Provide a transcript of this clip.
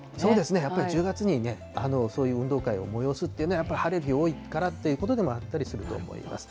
やっぱり１０月にそういう運動会を催すっていうのは、やっぱり晴れの日多いからということがあったりすると思います。